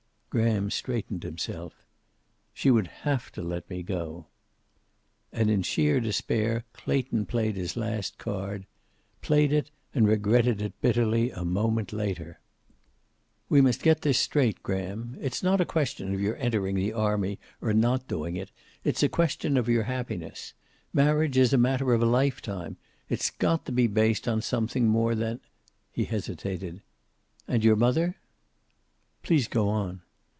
Graham straightened himself. "She would have to let me go." And in sheer despair, Clayton played his last card. Played it, and regretted it bitterly a moment later. "We must get this straight, Graham. It's not a question of your entering the army or not doing it. It's a question of your happiness. Marriage is a matter of a life time. It's got to be based on something more than " he hesitated. "And your mother?" "Please go on."